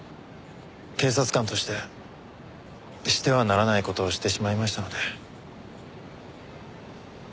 警察官としてしてはならない事をしてしまいましたので。